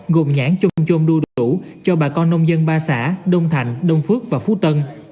gồm nhãn chung chôn đu đủ cho bà con nông dân ba xã đông thành đông phước và phú tân